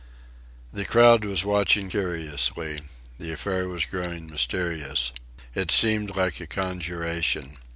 The crowd was watching curiously. The affair was growing mysterious. It seemed like a conjuration.